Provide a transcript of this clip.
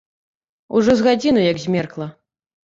Ужо з гадзіну як змеркла.